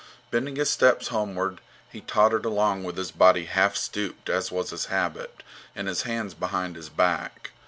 Bending his steps homeward, he tottered along with his body half stooped, as was his habit, and his hands behind his back.